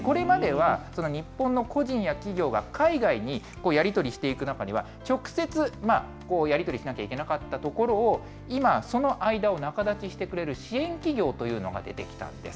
これまでは、日本の個人や企業が海外にやり取りしていく中には、直接やり取りしなければいけなかったところを、今はその間を仲立ちしてくれる支援企業というのが出てきたんです。